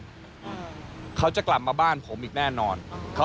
เขากว่าเขาจะกลับมาบ้านผมอีกแน่นอน